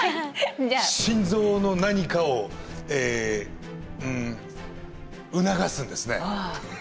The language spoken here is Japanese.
心臓の何かをえうん促すんですね。